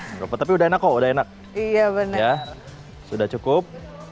enggak papa udah enak sudah enak iya nggak ya sudah cukup